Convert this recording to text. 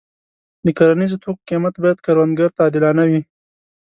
د کرنیزو توکو قیمت باید کروندګر ته عادلانه وي.